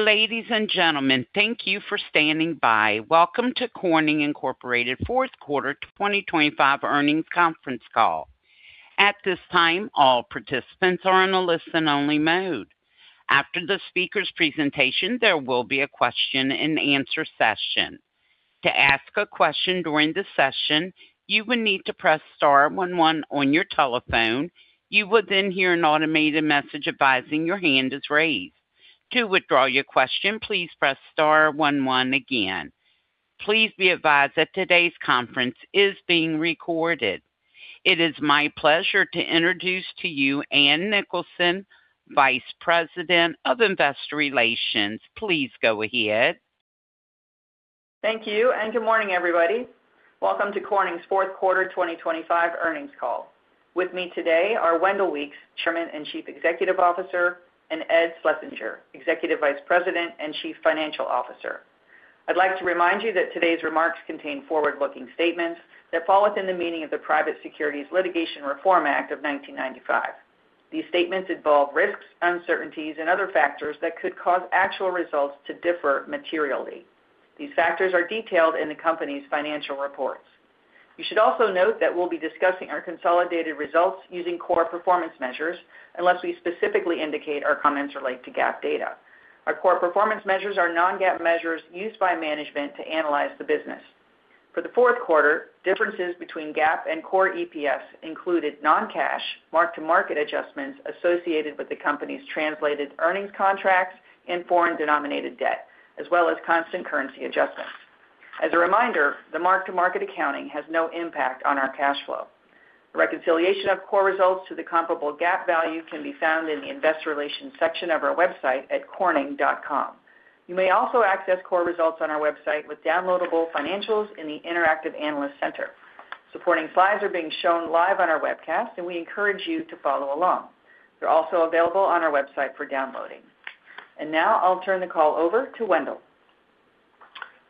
Ladies and gentlemen, thank you for standing by. Welcome to Corning Incorporated Fourth Quarter 2025 Earnings Conference Call. At this time, all participants are on a listen-only mode. After the speaker's presentation, there will be a question-and-answer session. To ask a question during the session, you will need to press star one one on your telephone. You will then hear an automated message advising your hand is raised. To withdraw your question, please press star one one again. Please be advised that today's conference is being recorded. It is my pleasure to introduce to you Ann Nicholson, Vice President of Investor Relations. Please go ahead. Thank you, and good morning, everybody. Welcome to Corning's Fourth Quarter 2025 Earnings Call. With me today are Wendell Weeks, Chairman and Chief Executive Officer, and Ed Schlesinger, Executive Vice President and Chief Financial Officer. I'd like to remind you that today's remarks contain forward-looking statements that fall within the meaning of the Private Securities Litigation Reform Act of 1995. These statements involve risks, uncertainties, and other factors that could cause actual results to differ materially. These factors are detailed in the company's financial reports. You should also note that we'll be discussing our consolidated results using core performance measures, unless we specifically indicate our comments relate to GAAP data. Our core performance measures are non-GAAP measures used by management to analyze the business. For the fourth quarter, differences between GAAP and Core EPS included non-cash, mark-to-market adjustments associated with the company's translated earnings contracts and foreign-denominated debt, as well as constant currency adjustments. As a reminder, the mark-to-market accounting has no impact on our cash flow. The reconciliation of core results to the comparable GAAP value can be found in the Investor Relations section of our website at corning.com. You may also access core results on our website with downloadable financials in the Interactive Analyst Center. Supporting slides are being shown live on our webcast, and we encourage you to follow along. They're also available on our website for downloading. Now I'll turn the call over to Wendell.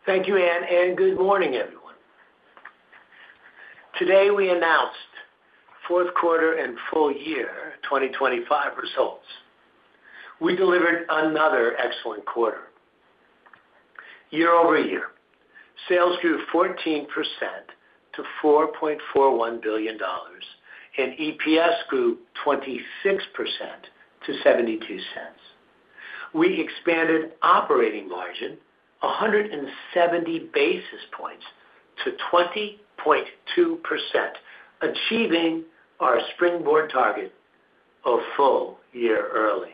Thank you, Ann, and good morning, everyone. Today, we announced fourth quarter and full year 2025 results. We delivered another excellent quarter. Year-over-year, sales grew 14% to $4.41 billion, and EPS grew 26% to $0.72. We expanded operating margin 170 basis points to 20.2%, achieving our Springboard target a full year early,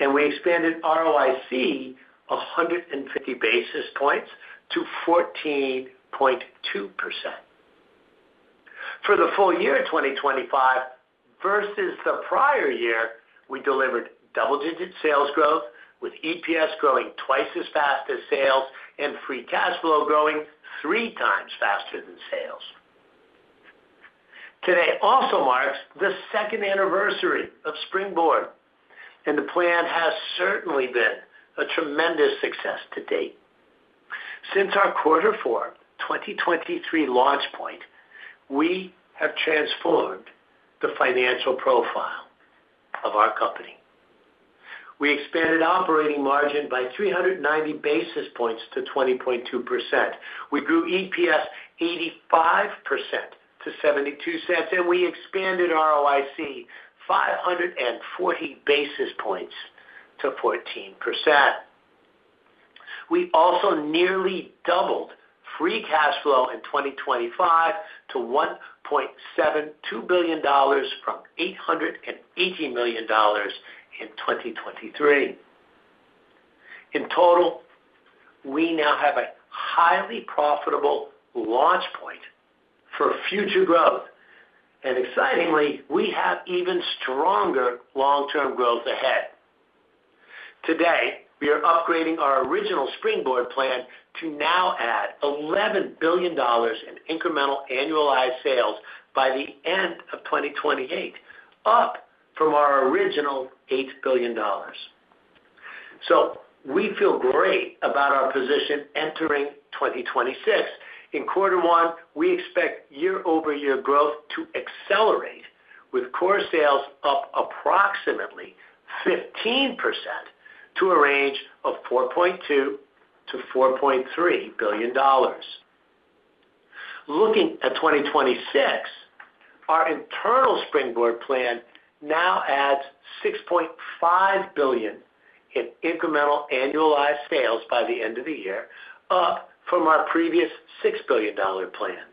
and we expanded ROIC 150 basis points to 14.2%. For the full year 2025 versus the prior year, we delivered double-digit sales growth, with EPS growing twice as fast as sales and free cash flow growing three times faster than sales. Today also marks the second anniversary of Springboard, and the plan has certainly been a tremendous success to date. Since our quarter four 2023 launch point, we have transformed the financial profile of our company. We expanded operating margin by 390 basis points to 20.2%. We grew EPS 85% to $0.72, and we expanded ROIC 540 basis points to 14%. We also nearly doubled free cash flow in 2025 to $1.72 billion from $880 million in 2023. In total, we now have a highly profitable launch point for future growth, and excitingly, we have even stronger long-term growth ahead. Today, we are upgrading our original Springboard plan to now add $11 billion in incremental annualized sales by the end of 2028, up from our original $8 billion. So we feel great about our position entering 2026. In quarter one, we expect year-over-year growth to accelerate, with Core Sales up approximately 15% to a range of $4.2 billion-$4.3 billion. Looking at 2026, our internal Springboard plan now adds $6.5 billion in incremental annualized sales by the end of the year, up from our previous $6 billion plan,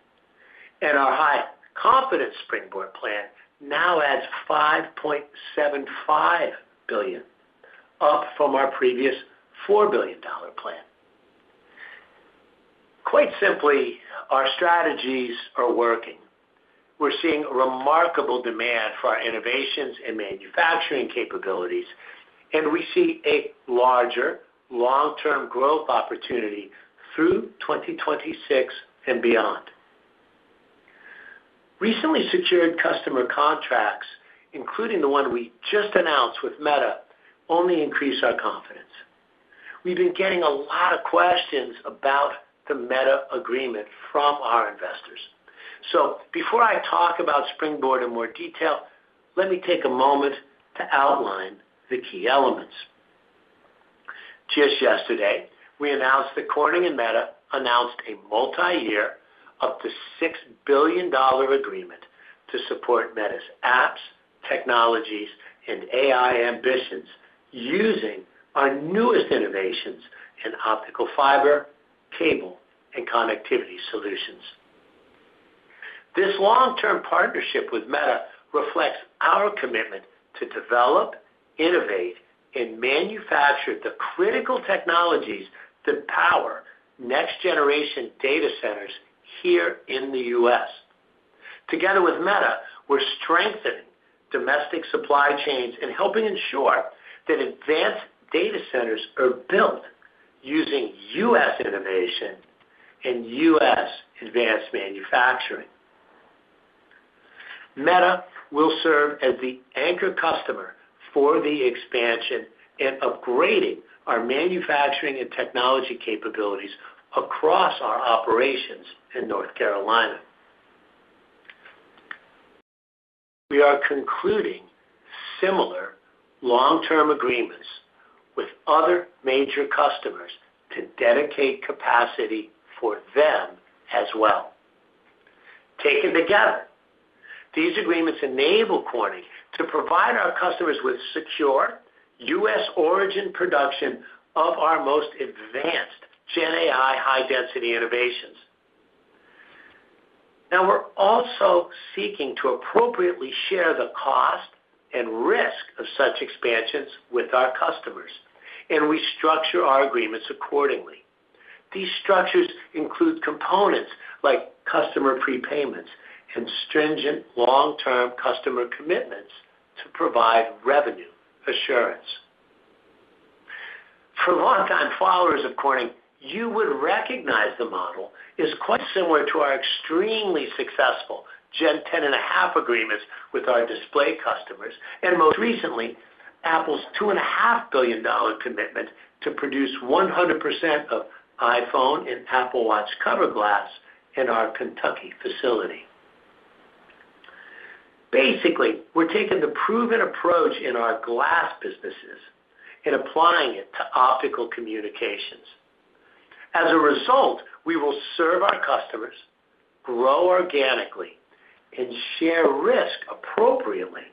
and our high confidence Springboard plan now adds $5.75 billion, up from our previous $4 billion plan. Quite simply, our strategies are working. We're seeing remarkable demand for our innovations and manufacturing capabilities, and we see a larger, long-term growth opportunity through 2026 and beyond. Recently secured customer contracts, including the one we just announced with Meta, only increase our confidence. We've been getting a lot of questions about the Meta agreement from our investors.... So before I talk about Springboard in more detail, let me take a moment to outline the key elements. Just yesterday, we announced that Corning and Meta announced a multi-year, up to $6 billion agreement to support Meta's apps, technologies, and AI ambitions, using our newest innovations in optical fiber, cable, and connectivity solutions. This long-term partnership with Meta reflects our commitment to develop, innovate, and manufacture the critical technologies that power next generation data centers here in the U.S. Together with Meta, we're strengthening domestic supply chains and helping ensure that advanced data centers are built using U.S. innovation and U.S. advanced manufacturing. Meta will serve as the anchor customer for the expansion and upgrading our manufacturing and technology capabilities across our operations in North Carolina. We are concluding similar long-term agreements with other major customers to dedicate capacity for them as well. Taken together, these agreements enable Corning to provide our customers with secure U.S. origin production of our most advanced GenAI high-density innovations. Now, we're also seeking to appropriately share the cost and risk of such expansions with our customers, and we structure our agreements accordingly. These structures include components like customer prepayments and stringent long-term customer commitments to provide revenue assurance. For longtime followers of Corning, you would recognize the model is quite similar to our extremely successful Gen 10.5 agreements with our display customers, and most recently, Apple's $2.5 billion commitment to produce 100% of iPhone and Apple Watch cover glass in our Kentucky facility. Basically, we're taking the proven approach in our glass businesses and applying it to optical communications. As a result, we will serve our customers, grow organically, and share risk appropriately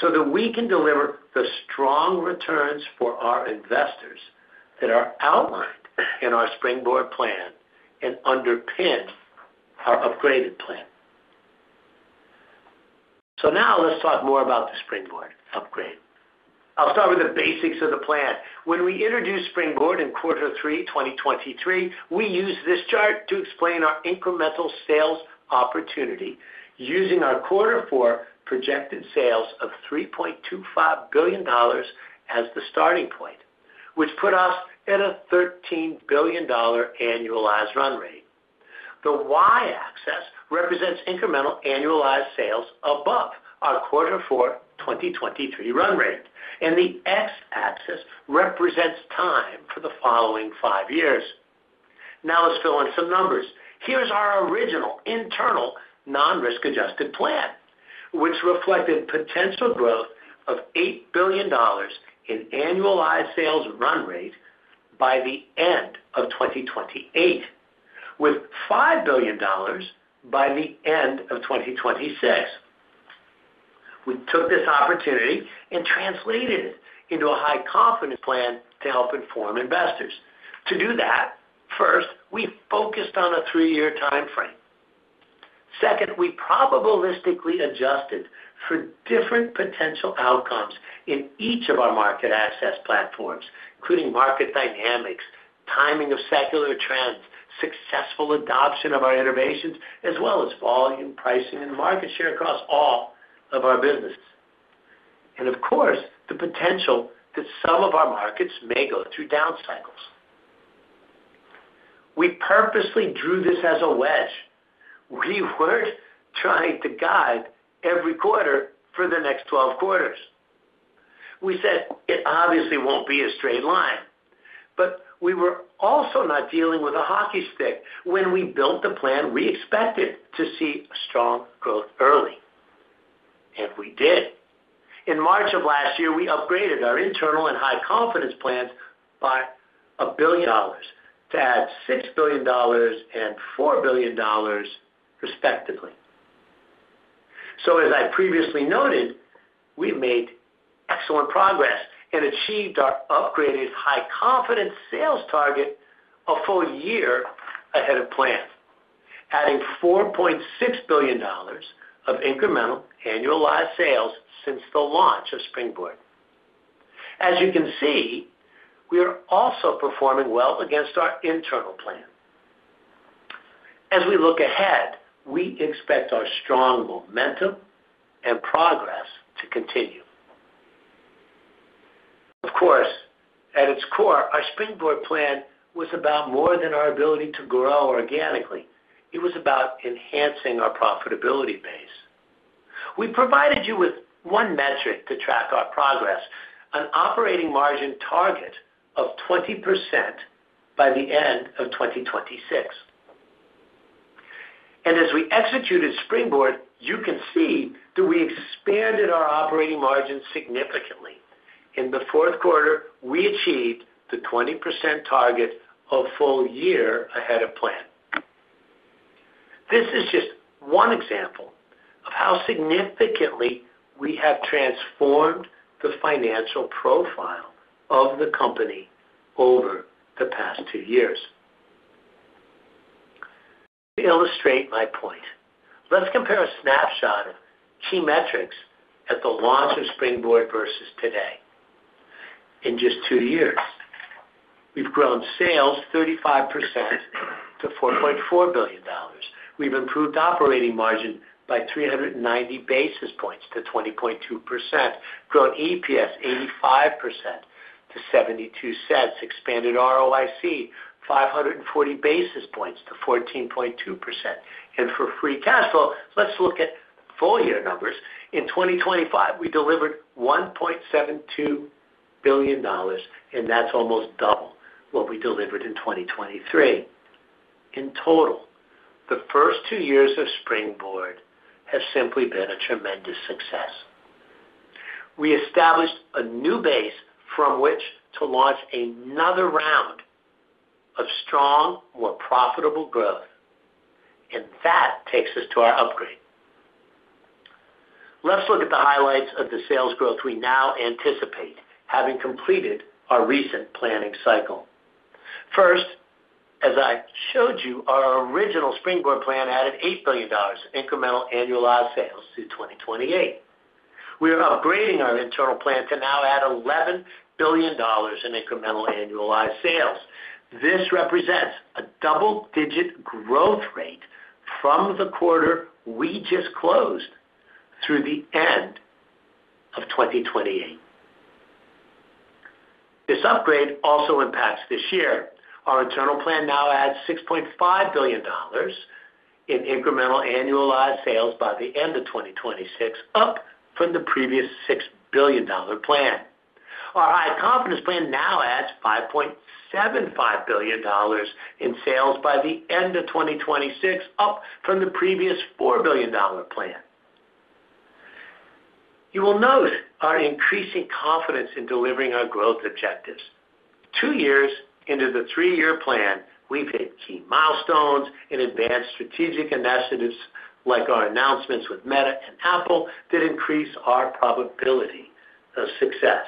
so that we can deliver the strong returns for our investors that are outlined in our Springboard plan and underpin our upgraded plan. So now let's talk more about the Springboard upgrade. I'll start with the basics of the plan. When we introduced Springboard in quarter 3, 2023, we used this chart to explain our incremental sales opportunity using our quarter 4 projected sales of $3.25 billion as the starting point, which put us at a $13 billion annualized run rate. The y-axis represents incremental annualized sales above our quarter 4 2023 run rate, and the x-axis represents time for the following 5 years. Now, let's fill in some numbers. Here's our original internal non-risk-adjusted plan, which reflected potential growth of $8 billion in annualized sales run rate by the end of 2028, with $5 billion by the end of 2026. We took this opportunity and translated it into a high confidence plan to help inform investors. To do that, first, we focused on a three-year time frame. Second, we probabilistically adjusted for different potential outcomes in each of our market access platforms, including market dynamics, timing of secular trends, successful adoption of our innovations, as well as volume, pricing, and market share across all of our businesses, and of course, the potential that some of our markets may go through down cycles. We purposely drew this as a wedge. We weren't trying to guide every quarter for the next 12 quarters. We said it obviously won't be a straight line, but we were also not dealing with a hockey stick. When we built the plan, we expected to see a strong growth early, and we did. In March of last year, we upgraded our internal and high confidence plans by $1 billion to add $6 billion and $4 billion respectively. So as I previously noted, we've made excellent progress and achieved our upgraded high confidence sales target a full year ahead of plan, adding $4.6 billion of incremental annualized sales since the launch of Springboard. As you can see, we are also performing well against our internal plan. As we look ahead, we expect our strong momentum and progress to continue. Of course, at its core, our Springboard plan was about more than our ability to grow organically. It was about enhancing our profitability base. We provided you with one metric to track our progress, an operating margin target of 20% by the end of 2026. As we executed Springboard, you can see that we expanded our operating margin significantly. In the fourth quarter, we achieved the 20% target a full year ahead of plan. This is just one example of how significantly we have transformed the financial profile of the company over the past 2 years. To illustrate my point, let's compare a snapshot of key metrics at the launch of Springboard versus today. In just 2 years, we've grown sales 35% to $4.4 billion. We've improved operating margin by 390 basis points to 20.2%, grown EPS 85% to $0.72, expanded ROIC 540 basis points to 14.2%. For free cash flow, let's look at full year numbers. In 2025, we delivered $1.72 billion, and that's almost double what we delivered in 2023. In total, the first two years of Springboard have simply been a tremendous success. We established a new base from which to launch another round of strong, more profitable growth, and that takes us to our upgrade. Let's look at the highlights of the sales growth we now anticipate, having completed our recent planning cycle. First, as I showed you, our original Springboard plan added $8 billion incremental annualized sales through 2028. We are upgrading our internal plan to now add $11 billion in incremental annualized sales. This represents a double-digit growth rate from the quarter we just closed through the end of 2028. This upgrade also impacts this year. Our internal plan now adds $6.5 billion in incremental annualized sales by the end of 2026, up from the previous $6 billion plan. Our high confidence plan now adds $5.75 billion in sales by the end of 2026, up from the previous $4 billion plan. You will note our increasing confidence in delivering our growth objectives. Two years into the three-year plan, we've hit key milestones and advanced strategic initiatives, like our announcements with Meta and Apple, that increase our probability of success.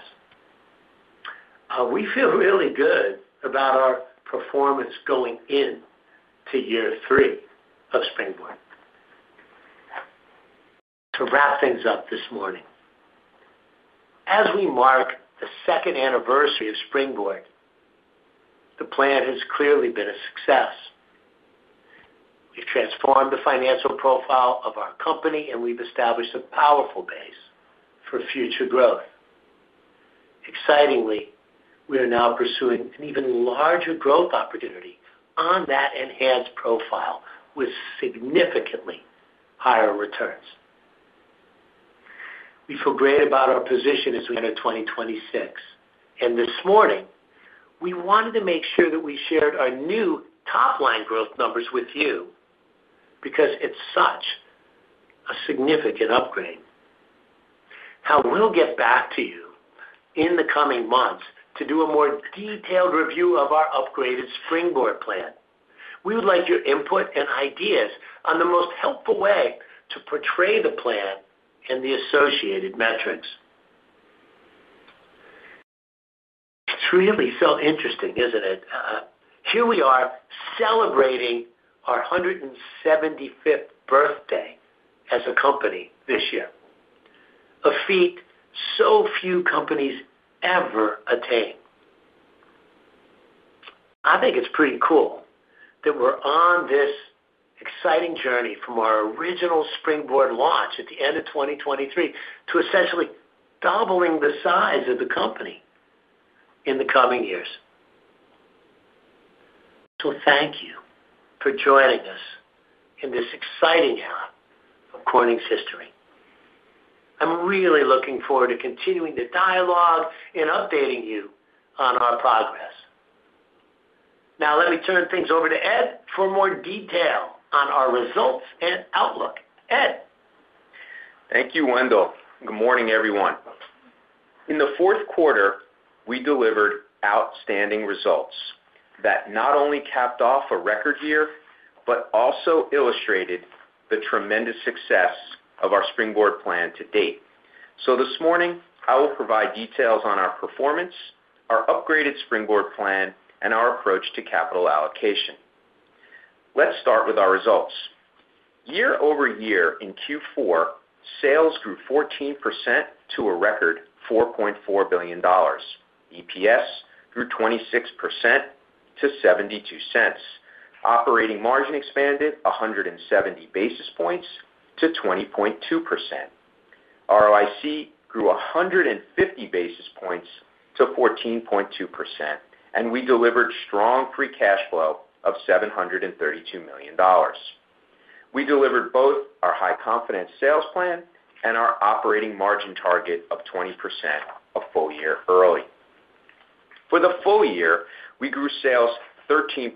We feel really good about our performance going in to year three of Springboard. To wrap things up this morning, as we mark the second anniversary of Springboard, the plan has clearly been a success. We've transformed the financial profile of our company, and we've established a powerful base for future growth. Excitingly, we are now pursuing an even larger growth opportunity on that enhanced profile with significantly higher returns. We feel great about our position as we enter 2026, and this morning we wanted to make sure that we shared our new top-line growth numbers with you because it's such a significant upgrade. Now, we'll get back to you in the coming months to do a more detailed review of our upgraded Springboard plan. We would like your input and ideas on the most helpful way to portray the plan and the associated metrics. It's really so interesting, isn't it? Here we are celebrating our 175th birthday as a company this year, a feat so few companies ever attain. I think it's pretty cool that we're on this exciting journey from our original Springboard launch at the end of 2023 to essentially doubling the size of the company in the coming years. So thank you for joining us in this exciting era of Corning's history. I'm really looking forward to continuing the dialogue and updating you on our progress. Now, let me turn things over to Ed for more detail on our results and outlook. Ed? Thank you, Wendell. Good morning, everyone. In the fourth quarter, we delivered outstanding results that not only capped off a record year, but also illustrated the tremendous success of our Springboard plan to date. So this morning, I will provide details on our performance, our upgraded Springboard plan, and our approach to capital allocation. Let's start with our results. Year-over-year, in Q4, sales grew 14% to a record $4.4 billion. EPS grew 26% to $0.72. Operating margin expanded 170 basis points to 20.2%.... ROIC grew 150 basis points to 14.2%, and we delivered strong free cash flow of $732 million. We delivered both our high confidence sales plan and our operating margin target of 20% a full year early. For the full year, we grew sales 13%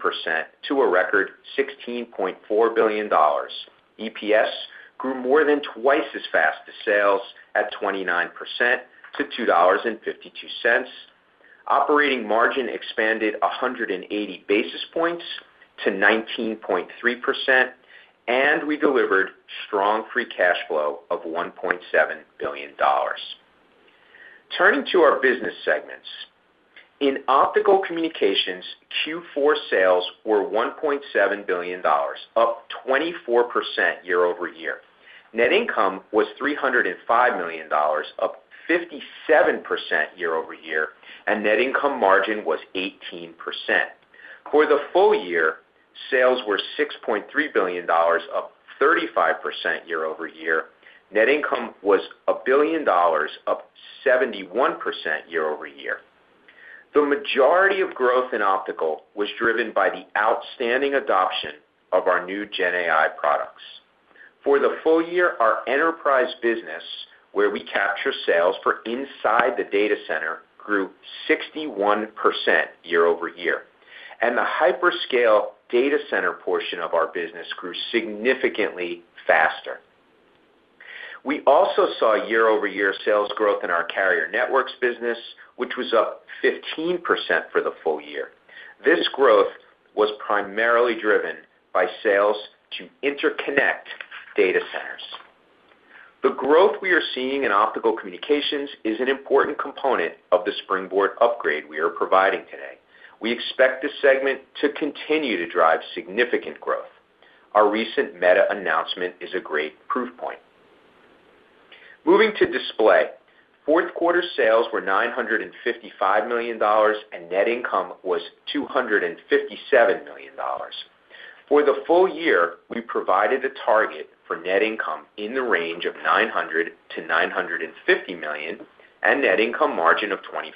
to a record $16.4 billion. EPS grew more than twice as fast as sales, at 29% to $2.52. Operating margin expanded 180 basis points to 19.3%, and we delivered strong free cash flow of $1.7 billion. Turning to our business segments. In Optical Communications, Q4 sales were $1.7 billion, up 24% year-over-year. Net income was $305 million, up 57% year-over-year, and net income margin was 18%. For the full year, sales were $6.3 billion, up 35% year-over-year. Net income was $1 billion, up 71% year-over-year. The majority of growth in Optical was driven by the outstanding adoption of our new Gen AI products. For the full year, our enterprise business, where we capture sales for inside the data center, grew 61% year-over-year, and the hyperscale data center portion of our business grew significantly faster. We also saw year-over-year sales growth in our carrier networks business, which was up 15% for the full year. This growth was primarily driven by sales to interconnect data centers. The growth we are seeing in Optical Communications is an important component of the Springboard upgrade we are providing today. We expect this segment to continue to drive significant growth. Our recent Meta announcement is a great proof point. Moving to Display, fourth quarter sales were $955 million, and net income was $257 million. For the full year, we provided a target for net income in the range of $900 million-$950 million, and net income margin of 25%.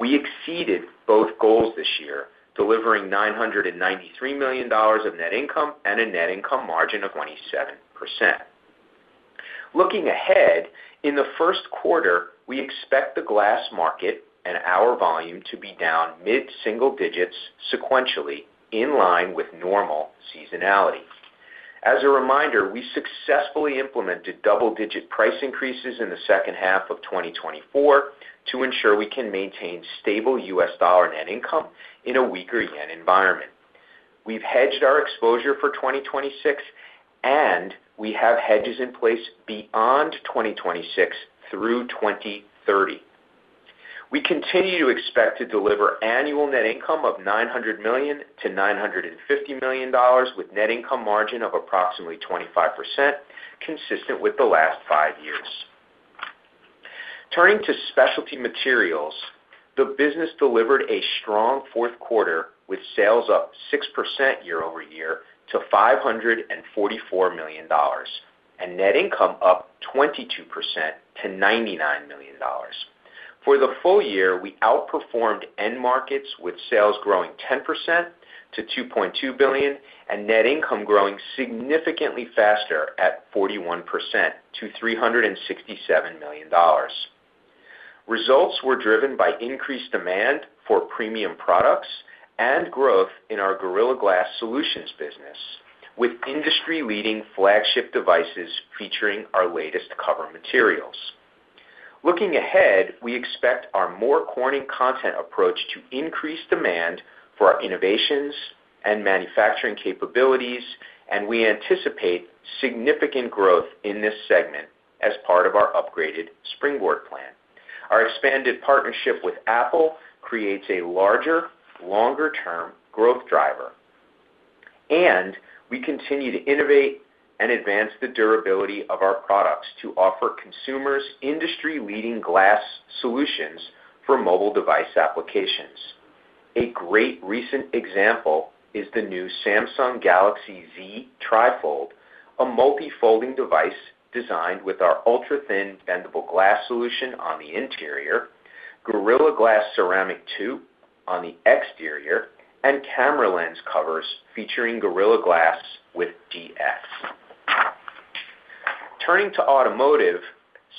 We exceeded both goals this year, delivering $993 million of net income and a net income margin of 27%. Looking ahead, in the first quarter, we expect the glass market and our volume to be down mid-single digits sequentially, in line with normal seasonality. As a reminder, we successfully implemented double-digit price increases in the second half of 2024 to ensure we can maintain stable U.S. dollar net income in a weaker yen environment. We've hedged our exposure for 2026, and we have hedges in place beyond 2026 through 2030. We continue to expect to deliver annual net income of $900 million-$950 million, with net income margin of approximately 25%, consistent with the last five years. Turning to Specialty Materials, the business delivered a strong fourth quarter, with sales up 6% year over year to $544 million, and net income up 22% to $99 million. For the full year, we outperformed end markets, with sales growing 10% to $2.2 billion, and net income growing significantly faster at 41% to $367 million. Results were driven by increased demand for premium products and growth in our Gorilla Glass Solutions business, with industry-leading flagship devices featuring our latest cover materials. Looking ahead, we expect our More Corning content approach to increase demand for our innovations and manufacturing capabilities, and we anticipate significant growth in this segment as part of our upgraded Springboard plan. Our expanded partnership with Apple creates a larger, longer-term growth driver, and we continue to innovate and advance the durability of our products to offer consumers industry-leading glass solutions for mobile device applications. A great recent example is the new Samsung Galaxy Z Trifold, a multi-folding device designed with our ultrathin bendable glass solution on the interior, Gorilla Glass Ceramic 2 on the exterior, and camera lens covers featuring Gorilla Glass with DX. Turning to Automotive,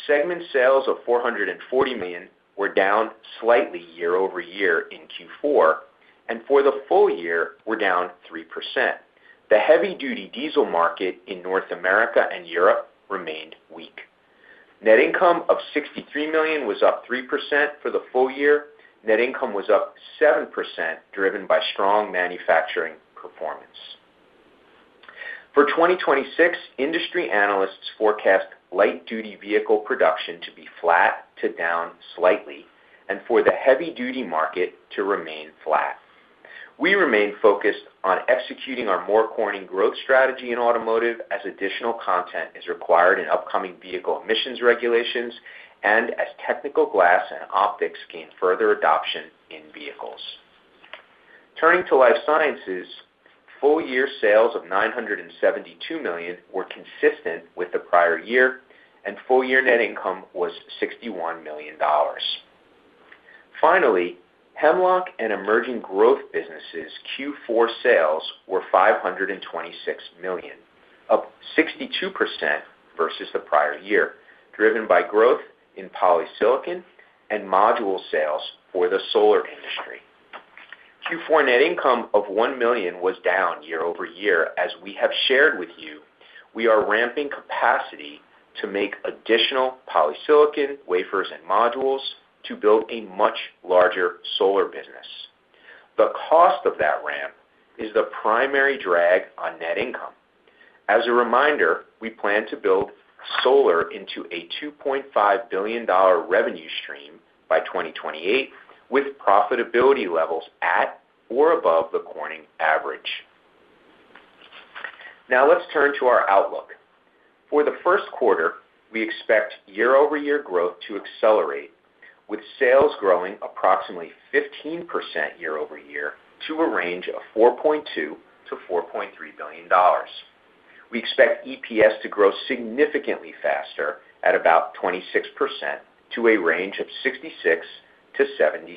segment sales of $440 million were down slightly year-over-year in Q4, and for the full year, were down 3%. The heavy-duty diesel market in North America and Europe remained weak. Net income of $63 million was up 3% for the full year. Net income was up 7%, driven by strong manufacturing performance. For 2026, industry analysts forecast light-duty vehicle production to be flat to down slightly, and for the heavy-duty market to remain flat. We remain focused on executing our core Corning growth strategy in Automotive as additional content is required in upcoming vehicle emissions regulations and as technical glass and optics gain further adoption in vehicles. Turning to Life Sciences, full year sales of $972 million were consistent with the prior year, and full year net income was $61 million. Finally, Hemlock and Emerging Growth Businesses Q4 sales were $526 million, up 62% versus the prior year, driven by growth in polysilicon and module sales for the solar industry. Q4 net income of $1 million was down year-over-year. As we have shared with you, we are ramping capacity to make additional polysilicon, wafers, and modules to build a much larger solar business. The cost of that ramp is the primary drag on net income. As a reminder, we plan to build solar into a $2.5 billion revenue stream by 2028, with profitability levels at or above the Corning average. Now, let's turn to our outlook. For the first quarter, we expect year-over-year growth to accelerate, with sales growing approximately 15% year-over-year to a range of $4.2 billion-$4.3 billion. We expect EPS to grow significantly faster at about 26% to a range of $0.66-$0.70.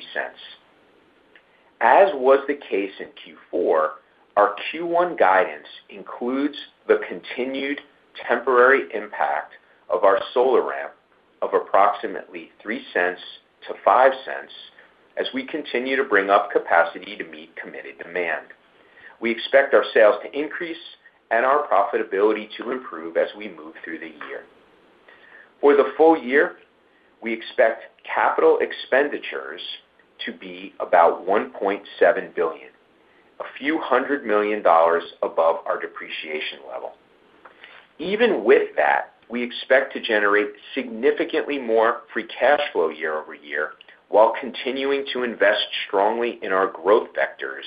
As was the case in Q4, our Q1 guidance includes the continued temporary impact of our solar ramp of approximately $0.03-$0.05, as we continue to bring up capacity to meet committed demand. We expect our sales to increase and our profitability to improve as we move through the year. For the full year, we expect capital expenditures to be about $1.7 billion, $a few hundred million above our depreciation level. Even with that, we expect to generate significantly more free cash flow year-over-year, while continuing to invest strongly in our growth vectors,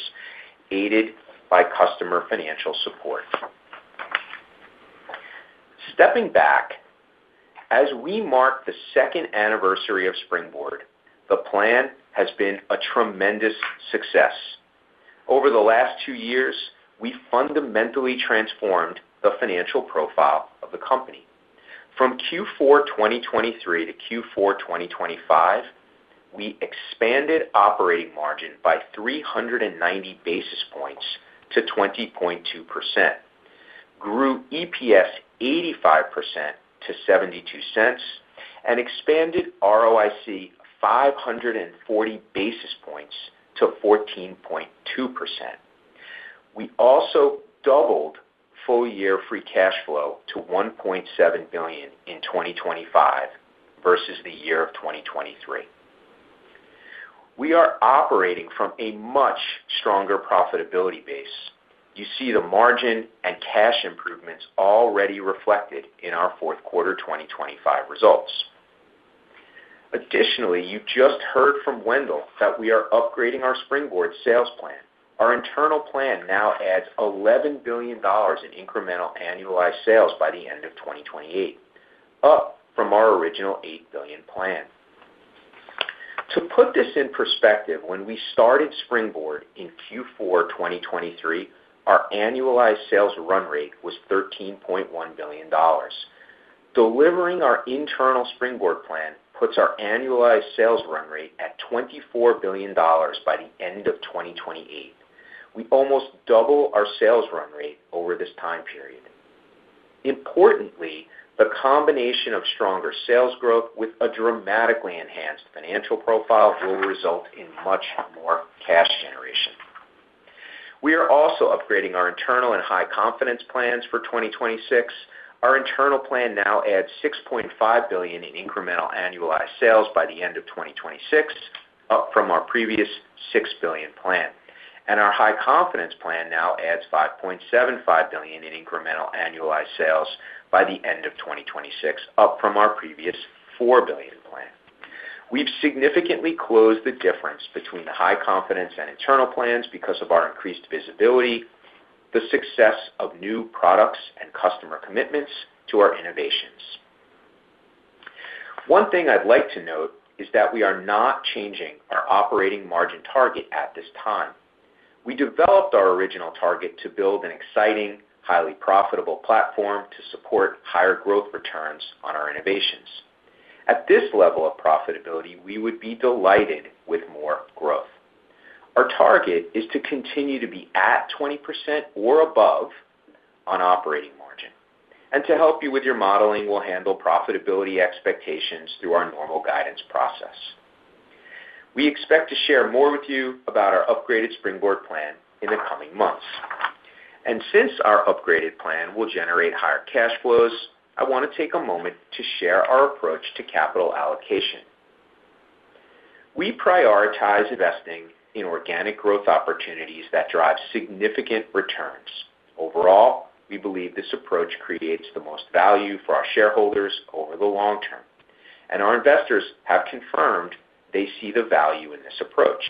aided by customer financial support. Stepping back, as we mark the second anniversary of Springboard, the plan has been a tremendous success. Over the last two years, we fundamentally transformed the financial profile of the company. From Q4 2023 to Q4 2025, we expanded operating margin by 390 basis points to 20.2%, grew EPS 85% to $0.72, and expanded ROIC 540 basis points to 14.2%. We also doubled full-year free cash flow to $1.7 billion in 2025 versus the year of 2023. We are operating from a much stronger profitability base. You see the margin and cash improvements already reflected in our fourth quarter 2025 results. Additionally, you just heard from Wendell that we are upgrading our Springboard sales plan. Our internal plan now adds $11 billion in incremental annualized sales by the end of 2028, up from our original $8 billion plan. To put this in perspective, when we started Springboard in Q4 2023, our annualized sales run rate was $13.1 billion. Delivering our internal Springboard plan puts our annualized sales run rate at $24 billion by the end of 2028. We almost double our sales run rate over this time period. Importantly, the combination of stronger sales growth with a dramatically enhanced financial profile will result in much more cash generation. We are also upgrading our internal and high confidence plans for 2026. Our internal plan now adds $6.5 billion in incremental annualized sales by the end of 2026, up from our previous $6 billion plan, and our high confidence plan now adds $5.75 billion in incremental annualized sales by the end of 2026, up from our previous $4 billion plan. We've significantly closed the difference between the high confidence and internal plans because of our increased visibility, the success of new products and customer commitments to our innovations. One thing I'd like to note is that we are not changing our operating margin target at this time. We developed our original target to build an exciting, highly profitable platform to support higher growth returns on our innovations. At this level of profitability, we would be delighted with more growth. Our target is to continue to be at 20% or above on operating margin. And to help you with your modeling, we'll handle profitability expectations through our normal guidance process. We expect to share more with you about our upgraded Springboard plan in the coming months. And since our upgraded plan will generate higher cash flows, I want to take a moment to share our approach to capital allocation. We prioritize investing in organic growth opportunities that drive significant returns. Overall, we believe this approach creates the most value for our shareholders over the long term, and our investors have confirmed they see the value in this approach.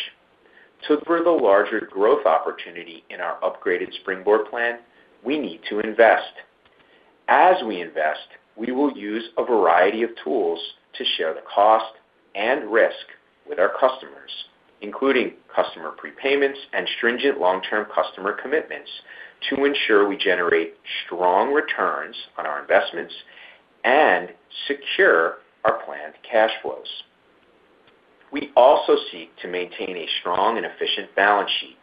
To deliver the larger growth opportunity in our upgraded Springboard plan, we need to invest. As we invest, we will use a variety of tools to share the cost and risk with our customers, including customer prepayments and stringent long-term customer commitments, to ensure we generate strong returns on our investments and secure our planned cash flows. We also seek to maintain a strong and efficient balance sheet.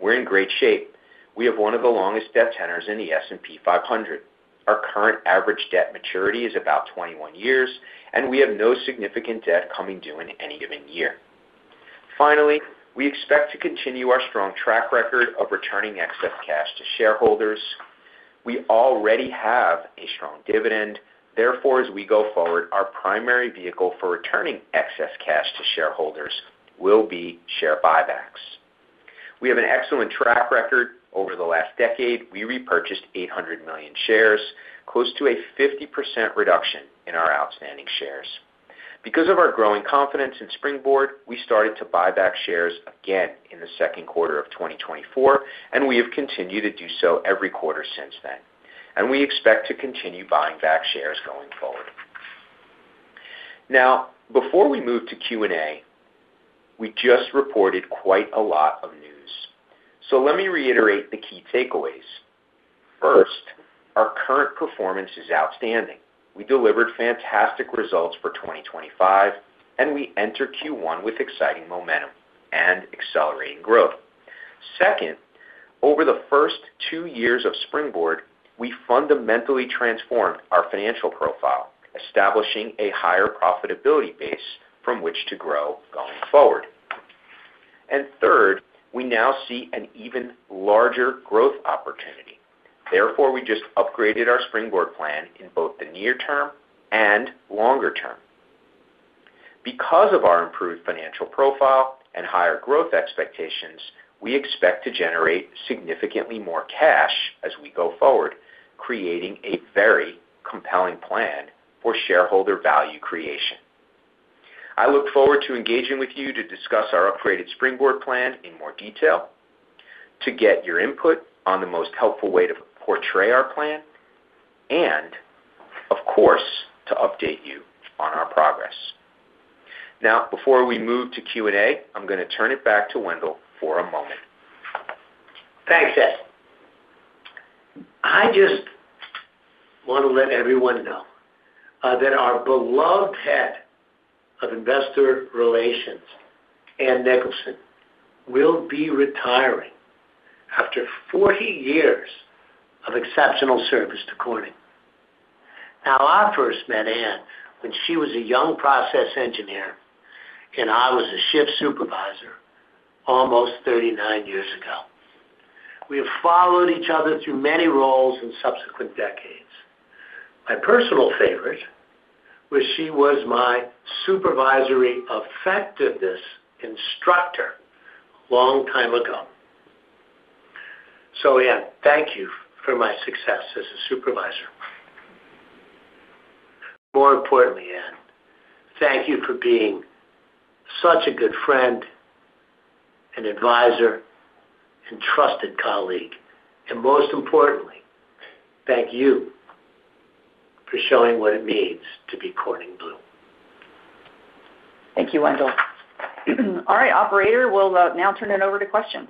We're in great shape. We have one of the longest debt tenors in the S&P 500. Our current average debt maturity is about 21 years, and we have no significant debt coming due in any given year. Finally, we expect to continue our strong track record of returning excess cash to shareholders. We already have a strong dividend. Therefore, as we go forward, our primary vehicle for returning excess cash to shareholders will be share buybacks. We have an excellent track record. Over the last decade, we repurchased 800 million shares, close to a 50% reduction in our outstanding shares. Because of our growing confidence in Springboard, we started to buy back shares again in the second quarter of 2024, and we have continued to do so every quarter since then, and we expect to continue buying back shares going forward. Now, before we move to Q&A, we just reported quite a lot of news, so let me reiterate the key takeaways. First, our current performance is outstanding. We delivered fantastic results for 2025, and we enter Q1 with exciting momentum and accelerating growth. Second, over the first two years of Springboard, we fundamentally transformed our financial profile, establishing a higher profitability base from which to grow going forward. Third, we now see an even larger growth opportunity. Therefore, we just upgraded our Springboard plan in both the near term and longer term. Because of our improved financial profile and higher growth expectations, we expect to generate significantly more cash as we go forward, creating a very compelling plan for shareholder value creation. I look forward to engaging with you to discuss our upgraded Springboard plan in more detail, to get your input on the most helpful way to portray our plan, and of course, to update you on our progress. Now, before we move to Q&A, I'm gonna turn it back to Wendell for a moment. Thanks, Ed. I just want to let everyone know that our beloved head of Investor Relations, Ann Nicholson, will be retiring after 40 years of exceptional service to Corning. Now, I first met Ann when she was a young process engineer, and I was a shift supervisor almost 39 years ago. We have followed each other through many roles in subsequent decades. My personal favorite, where she was my supervisory effectiveness instructor a long time ago. So Ann, thank you for my success as a supervisor. More importantly, Ann, thank you for being such a good friend and advisor and trusted colleague, and most importantly, thank you for showing what it means to be Corning Blue. Thank you, Wendell. All right, operator, we'll now turn it over to questions.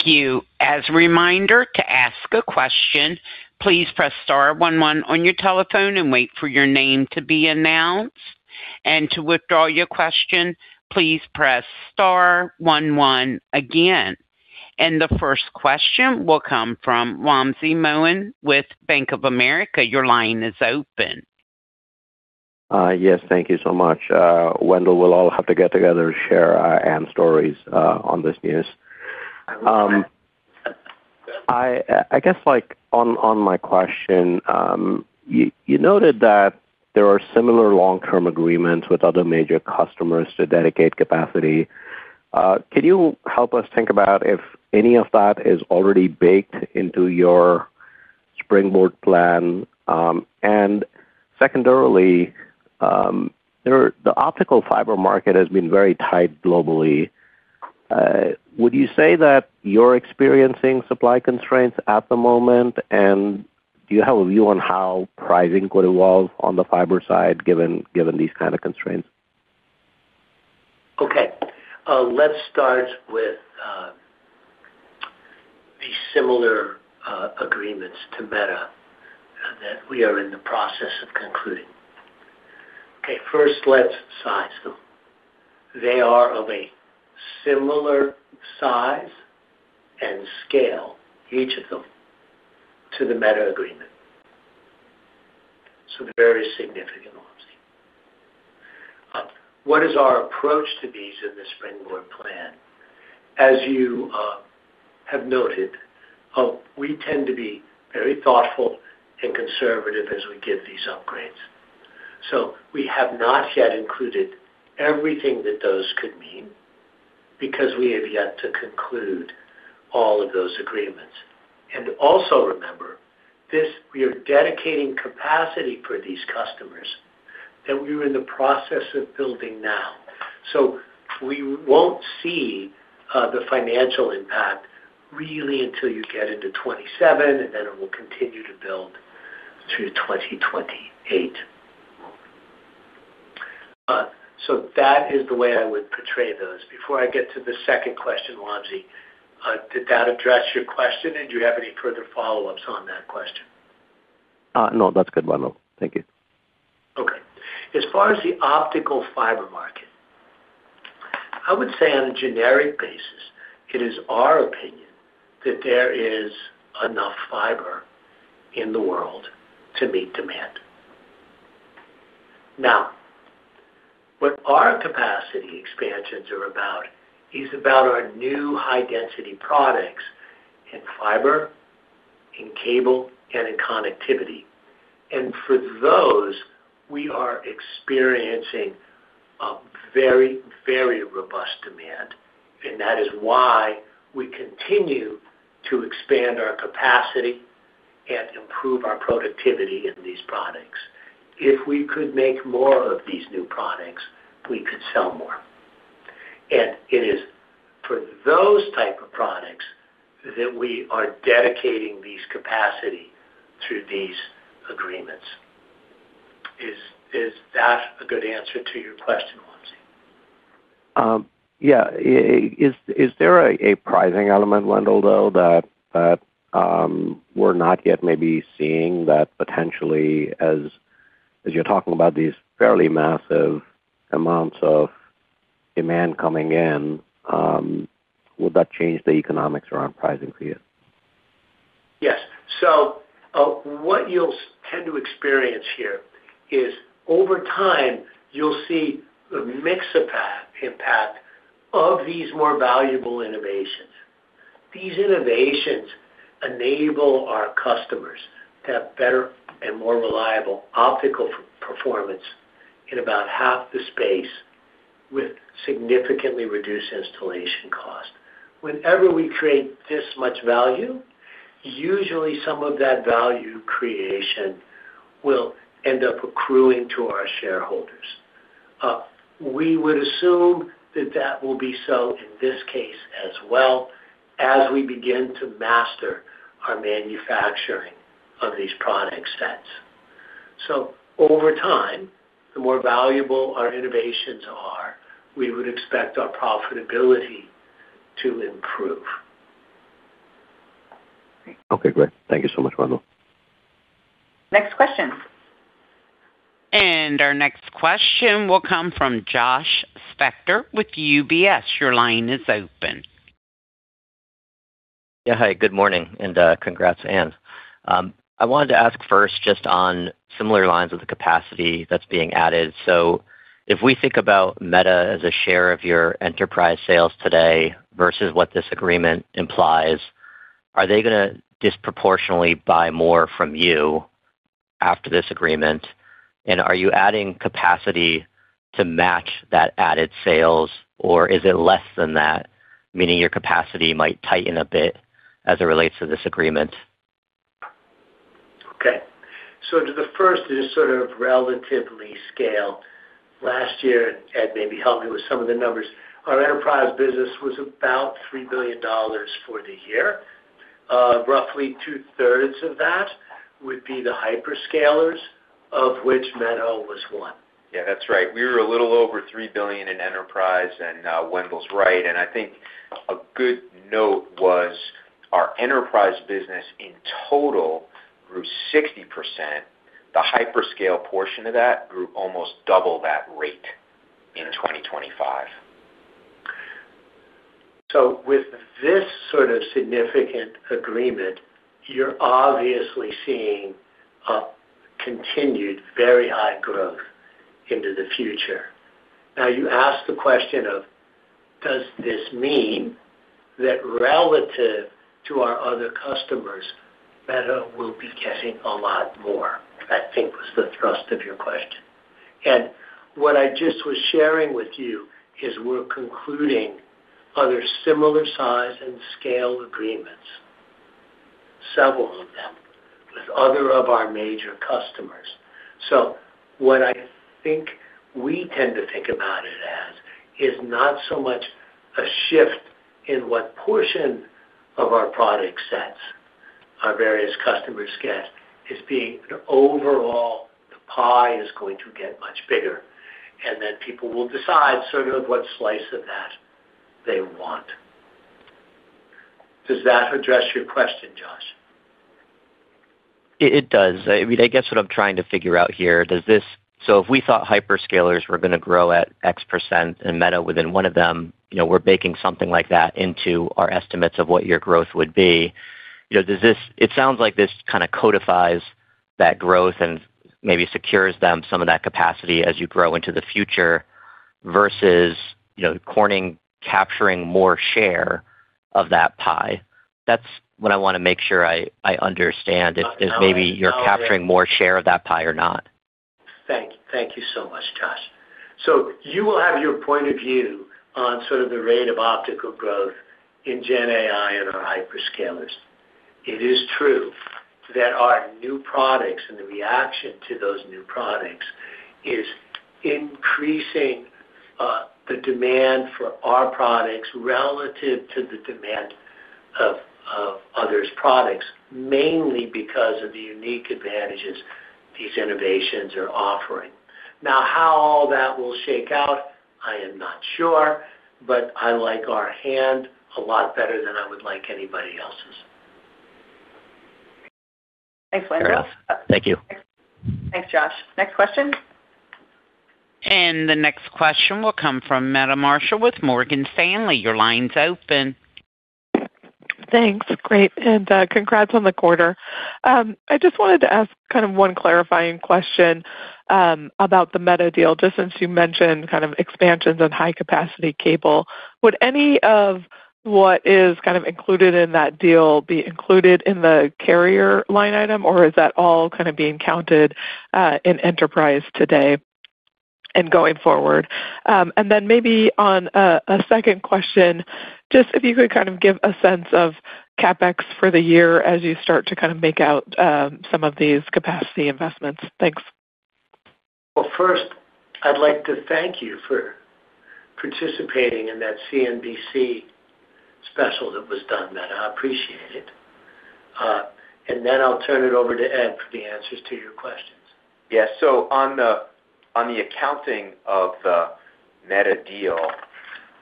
Thank you. As a reminder, to ask a question, please press star one one on your telephone and wait for your name to be announced, and to withdraw your question, please press star one one again. The first question will come from Wamsi Mohan with Bank of America. Your line is open. Yes, thank you so much. Wendell, we'll all have to get together to share Ann stories on this news. I guess, like, on my question, you noted that there are similar long-term agreements with other major customers to dedicate capacity. Can you help us think about if any of that is already baked into your Springboard plan? And secondarily, there are, the optical fiber market has been very tight globally. Would you say that you're experiencing supply constraints at the moment, and do you have a view on how pricing could evolve on the fiber side, given these kind of constraints? Okay, let's start with the similar agreements to Meta that we are in the process of concluding. Okay, first, let's size them. They are of a similar size and scale, each of them, to the Meta agreement, so very significant obviously. What is our approach to these in the Springboard plan? As you have noted, we tend to be very thoughtful and conservative as we give these upgrades. So we have not yet included everything that those could mean, because we have yet to conclude all of those agreements. And also remember, this, we are dedicating capacity for these customers that we're in the process of building now. So we won't see the financial impact really until you get into 2027, and then it will continue to build through 2028. So that is the way I would portray those. Before I get to the second question, Wamsi, did that address your question, and do you have any further follow-ups on that question? No, that's good, Wendell. Thank you. Okay. As far as the optical fiber market, I would say on a generic basis, it is our opinion that there is enough fiber in the world to meet demand. Now, what our capacity expansions are about is about our new high-density products in fiber, in cable, and in connectivity. And for those, we are experiencing a very, very robust demand, and that is why we continue to expand our capacity and improve our productivity in these products. If we could make more of these new products, we could sell more. And it is for those type of products that we are dedicating these capacity through these agreements. Is that a good answer to your question, Wamsi? Yeah. Is there a pricing element, Wendell, though, that we're not yet maybe seeing that potentially, as you're talking about these fairly massive amounts of demand coming in, would that change the economics around pricing for you? Yes. So, what you'll tend to experience here is, over time, you'll see a mix of impact of these more valuable innovations. These innovations enable our customers to have better and more reliable optical performance in about half the space, with significantly reduced installation cost. Whenever we create this much value, usually some of that value creation will end up accruing to our shareholders. We would assume that that will be so in this case as well, as we begin to master our manufacturing of these product sets. So over time, the more valuable our innovations are, we would expect our profitability to improve. Okay, great. Thank you so much, Wendell. Next question. Our next question will come from Josh Spector with UBS. Your line is open. Yeah. Hi, good morning, and, congrats, Ann. I wanted to ask first, just on similar lines with the capacity that's being added. So if we think about Meta as a share of your enterprise sales today versus what this agreement implies, are they gonna disproportionately buy more from you after this agreement? And are you adding capacity to match that added sales, or is it less than that, meaning your capacity might tighten a bit as it relates to this agreement? Okay. So to the first is sort of relatively small. Last year, Ed, maybe help me with some of the numbers, our enterprise business was about $3 billion for the year. Roughly two-thirds of that would be the hyperscalers, of which Meta was one. Yeah, that's right. We were a little over $3 billion in enterprise, and, Wendell's right. I think a good note was our enterprise business, in total, grew 60%. The hyperscale portion of that grew almost double that rate in 2025. So with this sort of significant agreement, you're obviously seeing a continued very high growth into the future. Now, you asked the question of, does this mean that relative to our other customers, Meta will be getting a lot more? I think was the thrust of your question. And what I just was sharing with you is we're concluding other similar size and scale agreements, several of them, with other of our major customers. So what I think we tend to think about it as, is not so much a shift in what portion of our product sets our various customers get, is being the overall, the pie is going to get much bigger, and then people will decide sort of what slice of that they want. Does that address your question, Josh? It, it does. I mean, I guess what I'm trying to figure out here, does this-- so if we thought hyperscalers were gonna grow at X%, and Meta within one of them, you know, we're baking something like that into our estimates of what your growth would be. You know, does this-- it sounds like this kind of codifies that growth and maybe secures them some of that capacity as you grow into the future, versus, you know, Corning capturing more share of that pie. That's what I want to make sure I, I understand, if, if maybe you're capturing more share of that pie or not. Thank you so much, Josh. So you will have your point of view on sort of the rate of optical growth in GenAI and our hyperscalers. It is true that our new products and the reaction to those new products is increasing the demand for our products relative to the demand of others' products, mainly because of the unique advantages these innovations are offering. Now, how all that will shake out, I am not sure, but I like our hand a lot better than I would like anybody else's. Thanks, Wendell. Thank you. Thanks, Josh. Next question? The next question will come from Meta Marshall with Morgan Stanley. Your line's open. Thanks. Great, and congrats on the quarter. I just wanted to ask kind of one clarifying question about the Meta deal, just since you mentioned kind of expansions on high-capacity cable. Would any of what is kind of included in that deal be included in the carrier line item, or is that all kind of being counted in enterprise today and going forward? And then maybe on a second question, just if you could kind of give a sense of CapEx for the year as you start to kind of make out some of these capacity investments. Thanks. Well, first, I'd like to thank you for participating in that CNBC special that was done, Meta. I appreciate it. Then I'll turn it over to Ed for the answers to your questions. Yeah. So on the accounting of the Meta deal,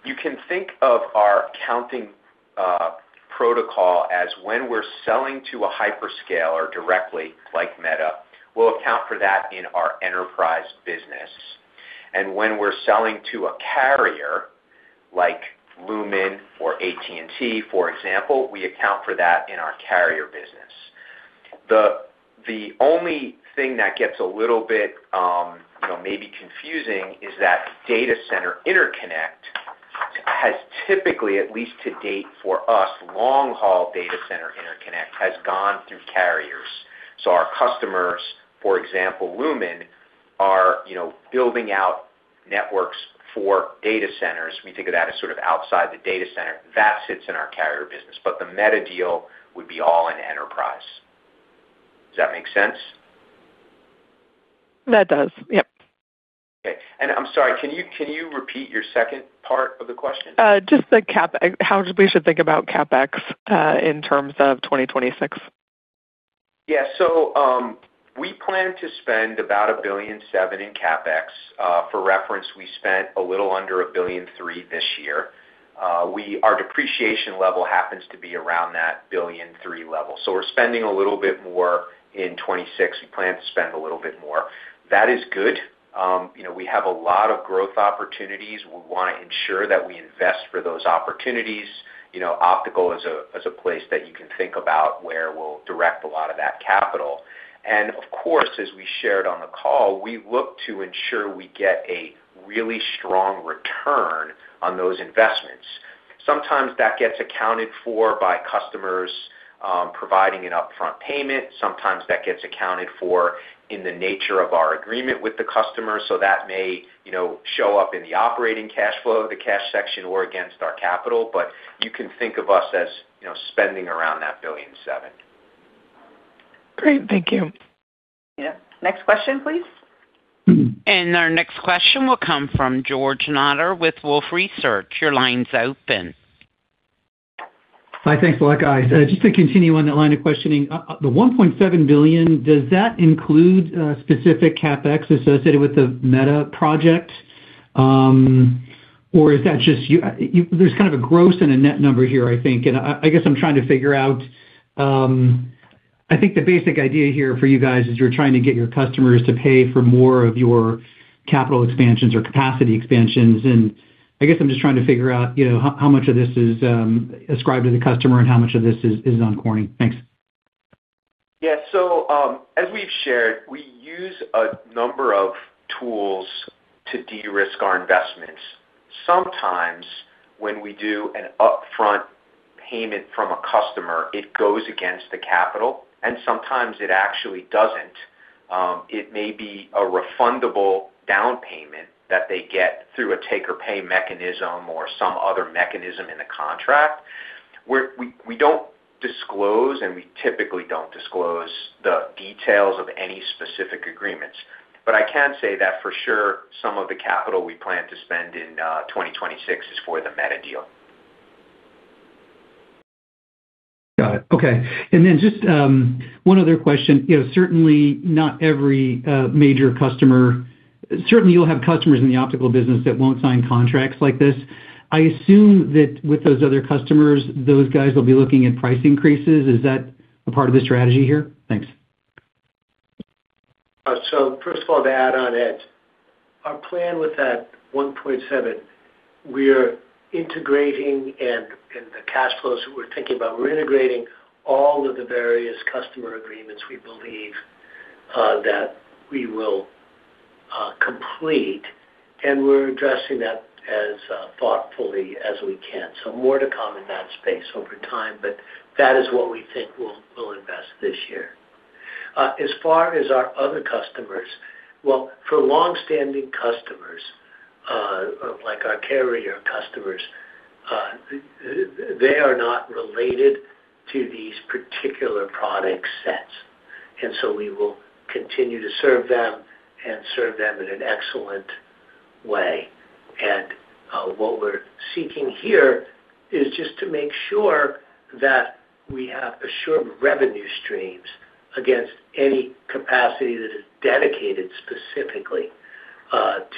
you can think of our accounting protocol as when we're selling to a hyperscaler directly, like Meta, we'll account for that in our enterprise business. And when we're selling to a carrier, like Lumen or AT&T, for example, we account for that in our carrier business. The only thing that gets a little bit, you know, maybe confusing is that data center interconnect has typically, at least to date, for us, long-haul data center interconnect has gone through carriers. So our customers, for example, Lumen, are, you know, building out networks for data centers. We think of that as sort of outside the data center. That sits in our carrier business. But the Meta deal would be all in enterprise. Does that make sense? That does. Yep. Okay. And I'm sorry, can you, can you repeat your second part of the question? Just the CapEx. How we should think about CapEx in terms of 2026? Yeah. So, we plan to spend about $1.7 billion in CapEx. For reference, we spent a little under $1.3 billion this year. Our depreciation level happens to be around that $1.3 billion level. So we're spending a little bit more in 2026. We plan to spend a little bit more. That is good. You know, we have a lot of growth opportunities. We want to ensure that we invest for those opportunities. You know, optical is a place that you can think about where we'll direct a lot of that capital. And of course, as we shared on the call, we look to ensure we get a really strong return on those investments. Sometimes that gets accounted for by customers providing an upfront payment. Sometimes that gets accounted for in the nature of our agreement with the customer, so that may, you know, show up in the operating cash flow, the cash section, or against our capital. But you can think of us as, you know, spending around $1.7 billion. Great. Thank you. Yeah. Next question, please. Our next question will come from George Notter with Wolfe Research. Your line's open. Hi, thanks a lot, guys. Just to continue on that line of questioning. The $1.7 billion, does that include specific CapEx associated with the Meta project? Or is that just... There's kind of a gross and a net number here, I think, and I guess I'm trying to figure out. I think the basic idea here for you guys is you're trying to get your customers to pay for more of your capital expansions or capacity expansions, and I guess I'm just trying to figure out, you know, how much of this is ascribed to the customer and how much of this is on Corning? Thanks. Yeah. So, as we've shared, we use a number of tools to de-risk our investments. Sometimes when we do an upfront payment from a customer, it goes against the capital, and sometimes it actually doesn't. It may be a refundable down payment that they get through a take-or-pay mechanism or some other mechanism in the contract. We don't disclose, and we typically don't disclose the details of any specific agreements, but I can say that for sure, some of the capital we plan to spend in 2026 is for the Meta deal. Got it. Okay. And then just one other question. You know, certainly not every major customer. Certainly, you'll have customers in the optical business that won't sign contracts like this. I assume that with those other customers, those guys will be looking at price increases. Is that a part of the strategy here? Thanks. So first of all, to add on Ed, our plan with that $1.7, we're integrating, and the cash flows we're thinking about, we're integrating all of the various customer agreements we believe that we will complete, and we're addressing that as thoughtfully as we can. So more to come in that space over time, but that is what we think we'll invest this year. As far as our other customers, well, for longstanding customers of like our carrier customers, they are not related to these particular product sets, and so we will continue to serve them and serve them in an excellent way. And what we're seeking here is just to make sure that we have assured revenue streams against any capacity that is dedicated specifically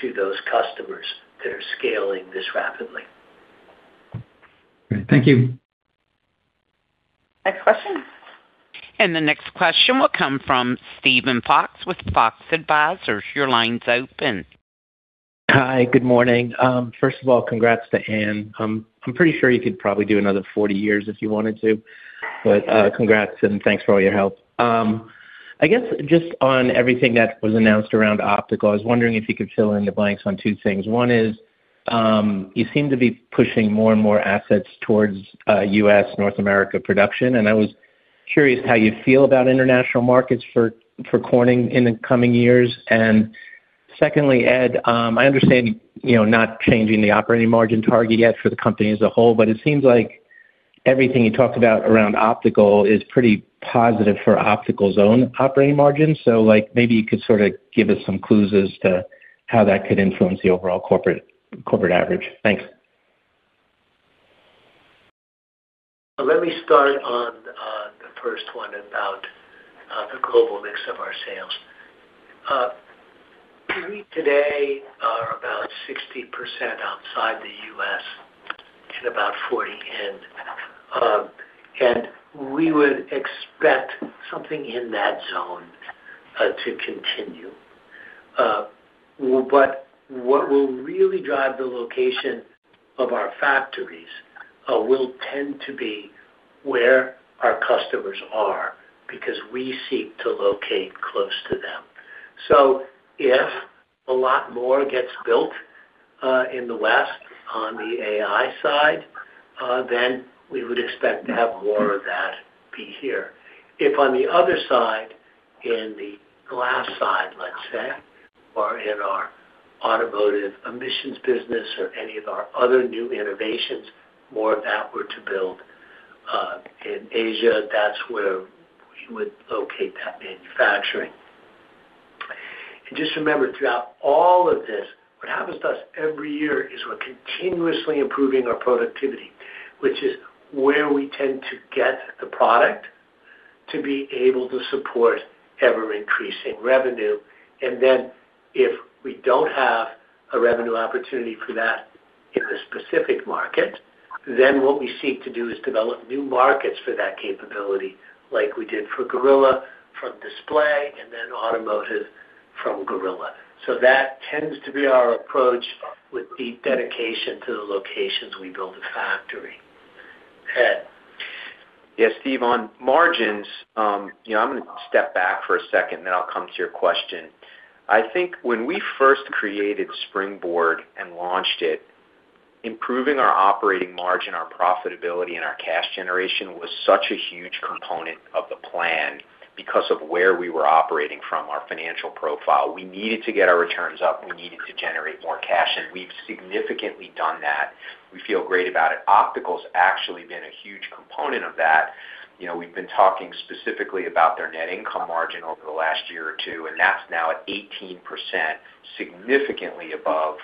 to those customers that are scaling this rapidly. Great. Thank you. Next question? The next question will come from Steven Fox with Fox Advisors. Your line's open. Hi, good morning. First of all, congrats to Ann. I'm pretty sure you could probably do another 40 years if you wanted to, but, congrats and thanks for all your help. I guess just on everything that was announced around optical, I was wondering if you could fill in the blanks on two things. One is, you seem to be pushing more and more assets towards, U.S., North America production, and I was curious how you feel about international markets for Corning in the coming years. And secondly, Ed, I understand, you know, not changing the operating margin target yet for the company as a whole, but it seems like everything you talked about around optical is pretty positive for optical's own operating margin. So, like, maybe you could sort of give us some clues as to how that could influence the overall corporate, corporate average. Thanks. Let me start on the first one about the global mix of our sales. We today are about 60% outside the U.S. and about 40% in, and we would expect something in that zone to continue. But what will really drive the location of our factories will tend to be where our customers are, because we seek to locate close to them. So if a lot more gets built in the West, on the AI side, then we would expect to have more of that be here. If on the other side, in the glass side, let's say, or in our automotive emissions business or any of our other new innovations, more of that were to build in Asia, that's where we would locate that manufacturing. And just remember, throughout all of this, what happens to us every year is we're continuously improving our productivity, which is where we tend to get the product to be able to support ever-increasing revenue. And then if we don't have a revenue opportunity for that in a specific market, then what we seek to do is develop new markets for that capability, like we did for Gorilla, for display, and then automotive from Gorilla. So that tends to be our approach with the dedication to the locations we build a factory. Ed? Yes, Steve, on margins, you know, I'm gonna step back for a second, then I'll come to your question. I think when we first created Springboard and launched it, improving our operating margin, our profitability, and our cash generation was such a huge component of the plan because of where we were operating from, our financial profile. We needed to get our returns up, we needed to generate more cash, and we've significantly done that. We feel great about it. Optical's actually been a huge component of that. You know, we've been talking specifically about their net income margin over the last year or two, and that's now at 18%, significantly above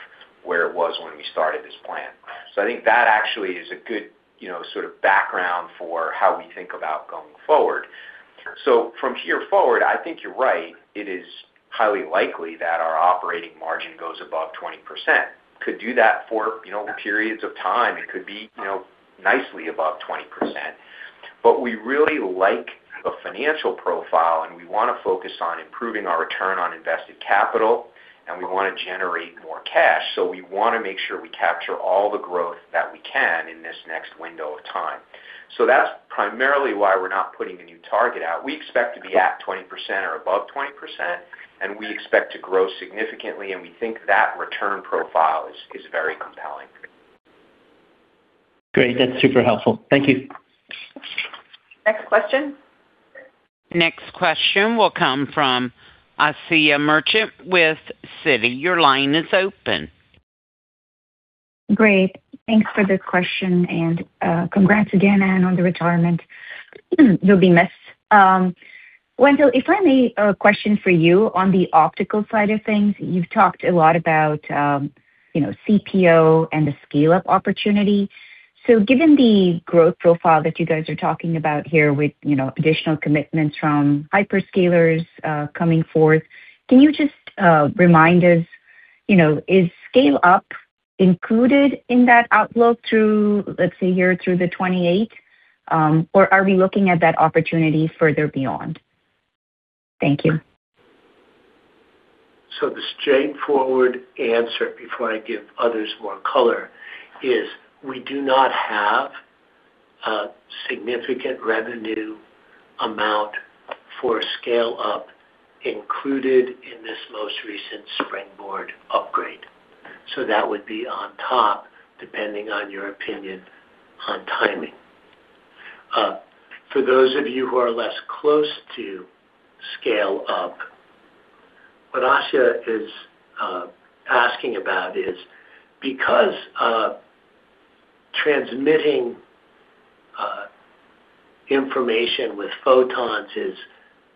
where it was when we started this plan. So I think that actually is a good, you know, sort of background for how we think about going forward. So from here forward, I think you're right. It is highly likely that our operating margin goes above 20%. Could do that for, you know, periods of time. It could be, you know, nicely above 20%. But we really like the financial profile, and we wanna focus on improving our return on invested capital, and we wanna generate more cash, so we wanna make sure we capture all the growth that we can in this next window of time. So that's primarily why we're not putting a new target out. We expect to be at 20% or above 20%, and we expect to grow significantly, and we think that return profile is, is very compelling. Great. That's super helpful. Thank you. Next question? Next question will come from Asiya Merchant with Citi. Your line is open. Great. Thanks for the question, and congrats again, Ann, on the retirement. You'll be missed. Wendell, if I may, a question for you on the optical side of things. You've talked a lot about, you know, CPO and the scale-up opportunity. So given the growth profile that you guys are talking about here with, you know, additional commitments from hyperscalers, coming forth, can you just remind us, you know, is scale-up included in that outlook through, let's say, here through 2028? Or are we looking at that opportunity further beyond? Thank you. So the straightforward answer, before I give others more color, is we do not have a significant revenue amount for scale-up included in this most recent Springboard upgrade. So that would be on top, depending on your opinion on timing. For those of you who are less close to scale-up, what Asiya is asking about is, because transmitting information with photons is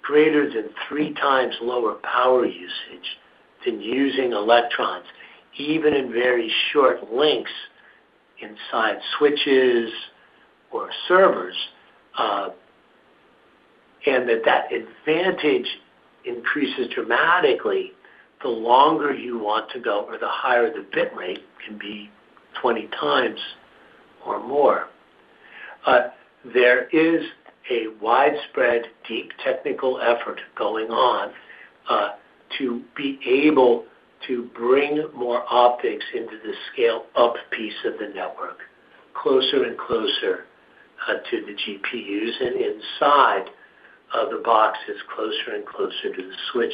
greater than three times lower power usage than using electrons, even in very short links inside switches or servers, and that advantage increases dramatically the longer you want to go or the higher the bit rate can be, 20 times or more. There is a widespread, deep technical effort going on, to be able to bring more optics into the scale-up piece of the network, closer and closer, to the GPUs and inside of the boxes, closer and closer to the switch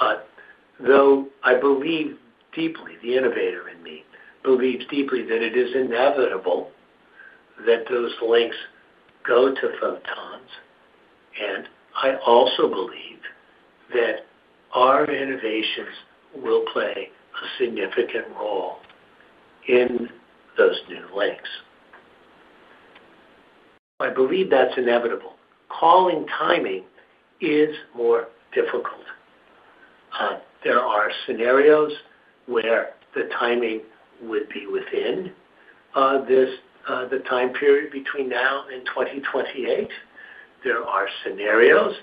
ASICs. Though I believe deeply, the innovator in me believes deeply that it is inevitable that those links go to photons, and I also believe that our innovations will play a significant role in those new links. I believe that's inevitable. Calling timing is more difficult. There are scenarios where the timing would be within, this, the time period between now and 2028. There are scenarios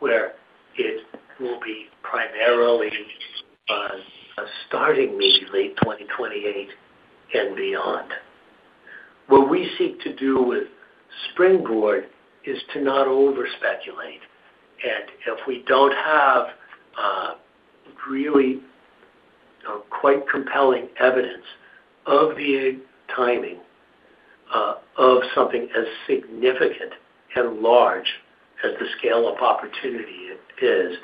where it will be primarily, starting maybe late 2028 and beyond. What we seek to do with Springboard is to not over speculate, and if we don't have really quite compelling evidence of the timing of something as significant and large as the scale of opportunity is,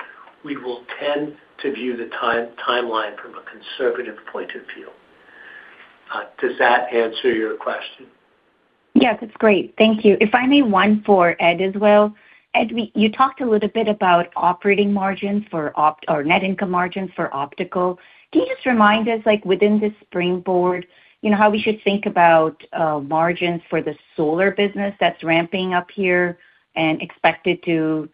we will tend to view the timeline from a conservative point of view. Does that answer your question? Yes, it's great. Thank you. If I may, one for Ed as well. Ed, you talked a little bit about operating margins for optical or net income margins for optical. Can you just remind us, like within this Springboard, you know, how we should think about margins for the solar business that's ramping up here and expected to,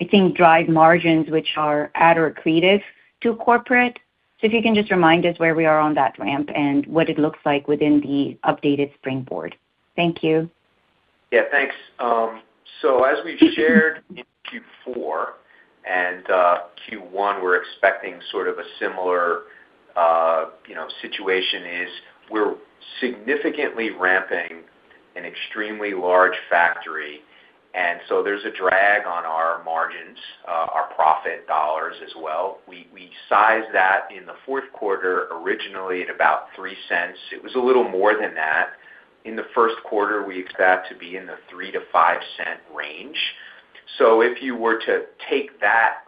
I think, drive margins which are add or accretive to corporate? So if you can just remind us where we are on that ramp and what it looks like within the updated Springboard. Thank you. Yeah, thanks. So as we've shared in Q4 and Q1, we're expecting sort of a similar, you know, situation is we're significantly ramping an extremely large factory, and so there's a drag on our margins, our profit dollars as well. We sized that in the fourth quarter, originally at about $0.03. It was a little more than that. In the first quarter, we expect that to be in the $0.03-$0.05 range. So if you were to take that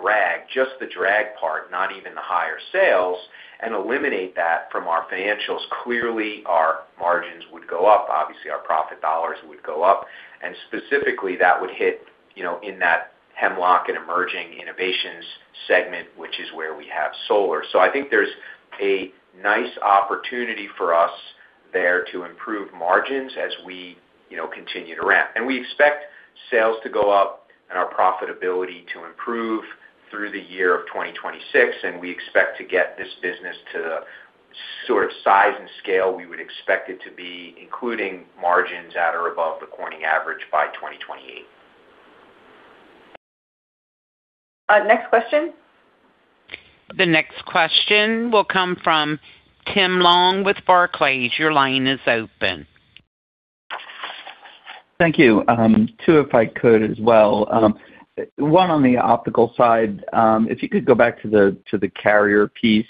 drag, just the drag part, not even the higher sales, and eliminate that from our financials, clearly our margins would go up. Obviously, our profit dollars would go up, and specifically that would hit, you know, in that Hemlock and Emerging Innovations segment, which is where we have solar. I think there's a nice opportunity for us there to improve margins as we, you know, continue to ramp. We expect sales to go up and our profitability to improve through the year of 2026, and we expect to get this business to the sort of size and scale we would expect it to be, including margins at or above the Corning average by 2028. Next question. The next question will come from Tim Long with Barclays. Your line is open. Thank you. Two, if I could as well. One on the optical side. If you could go back to the carrier piece.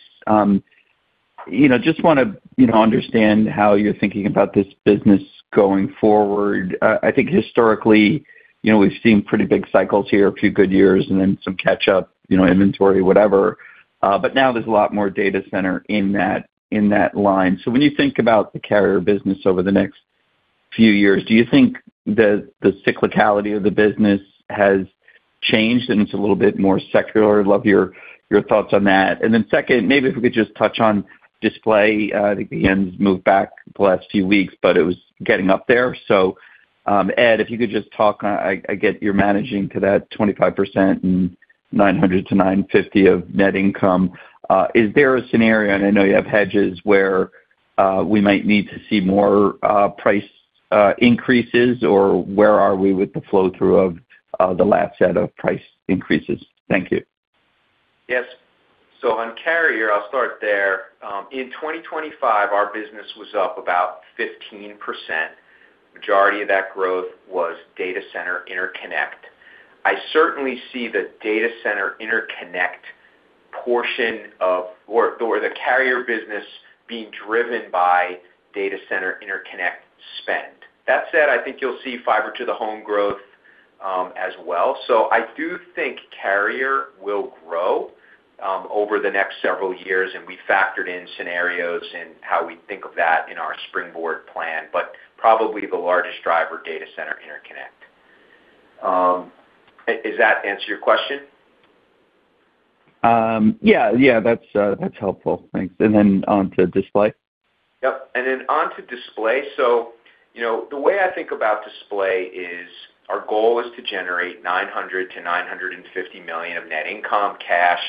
You know, just wanna, you know, understand how you're thinking about this business going forward. I think historically, you know, we've seen pretty big cycles here, a few good years and then some catch up, you know, inventory, whatever. But now there's a lot more data center in that line. So when you think about the carrier business over the next few years, do you think the cyclicality of the business has changed and it's a little bit more secular? I'd love your thoughts on that. And then second, maybe if we could just touch on display. I think the end's moved back the last few weeks, but it was getting up there. So, Ed, if you could just talk on. I get you're managing to that 25% and $900-$950 of net income. Is there a scenario, and I know you have hedges, where we might need to see more price increases, or where are we with the flow through of the last set of price increases? Thank you. Yes. So on carrier, I'll start there. In 2025, our business was up about 15%. Majority of that growth was data center interconnect. I certainly see the data center interconnect portion of, or, or the carrier business being driven by data center interconnect spend. That said, I think you'll see fiber to the home growth, as well. So I do think carrier will grow over the next several years, and we factored in scenarios and how we think of that in our Springboard plan, but probably the largest driver, data center interconnect. Does that answer your question? Yeah. Yeah, that's helpful. Thanks. And then on to Display? Yep, and then on to Display. So, you know, the way I think about Display is our goal is to generate $900 million-$950 million of net income cash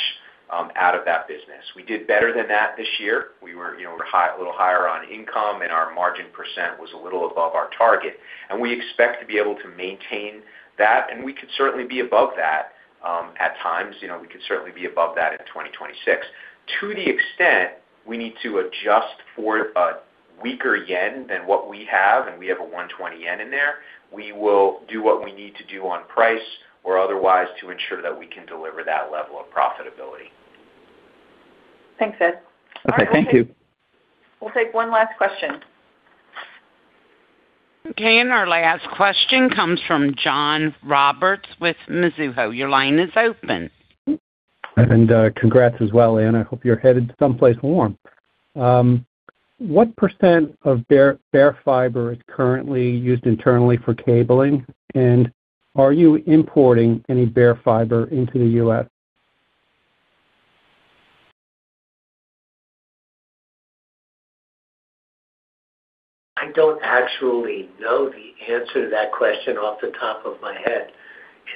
out of that business. We did better than that this year. We were, you know, a little higher on income, and our margin % was a little above our target. And we expect to be able to maintain that, and we could certainly be above that at times. You know, we could certainly be above that in 2026. To the extent we need to adjust for a weaker yen than what we have, and we have 120 yen in there, we will do what we need to do on price or otherwise to ensure that we can deliver that level of profitability. Thanks, Ed. Okay, thank you. We'll take one last question. Okay, and our last question comes from John Roberts with Mizuho. Your line is open. Congrats as well, Ann. I hope you're headed someplace warm. What % of bare, bare fiber is currently used internally for cabling? And are you importing any bare fiber into the U.S.? I don't actually know the answer to that question off the top of my head,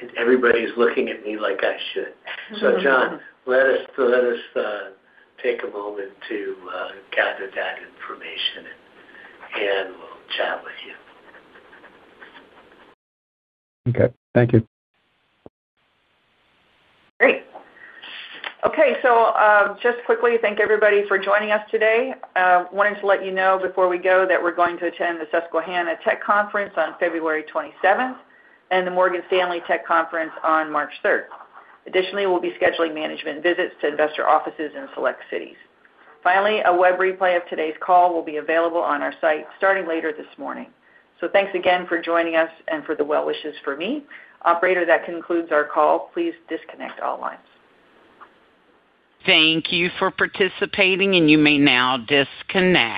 and everybody's looking at me like I should. So John, let us take a moment to gather that information, and we'll chat with you. Okay. Thank you. Great. Okay, so, just quickly, thank everybody for joining us today. Wanted to let you know before we go that we're going to attend the Susquehanna Tech Conference on February 27th and the Morgan Stanley Tech Conference on March 3rd. Additionally, we'll be scheduling management visits to investor offices in select cities. Finally, a web replay of today's call will be available on our site starting later this morning. So thanks again for joining us and for the well wishes for me. Operator, that concludes our call. Please disconnect all lines. Thank you for participating, and you may now disconnect.